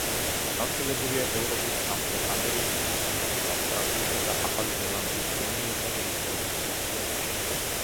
გავრცელებულია ევროპის, სამხრეთ ამერიკის, სამხრეთ ავსტრალიისა და ახალი ზელანდიის ზომიერ და სუბტროპიკულ წყლებში.